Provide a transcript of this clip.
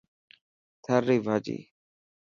ٿر ري ڀاڄي .